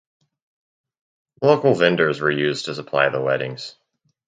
Local vendors were used to supply the weddings.